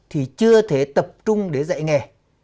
thì chưa thể tập trung để dạy nghề